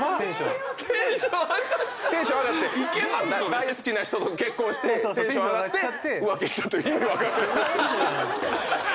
大好きな人と結婚してテンション上がって浮気したって意味分からない。